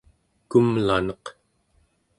kumlaneq